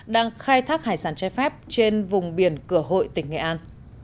đang khai thác hải sản trái phép trên vùng biển cửa hội tỉnh nghệ an